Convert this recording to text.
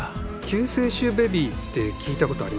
救世主ベビーって聞いたことありますか？